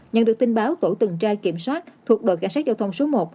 nhận được tin báo tổ tuần trai kiểm soát thuộc đội cảnh sát giao thông số một